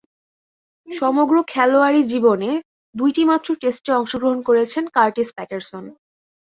সমগ্র খেলোয়াড়ী জীবনে দুইটিমাত্র টেস্টে অংশগ্রহণ করেছেন কার্টিস প্যাটারসন।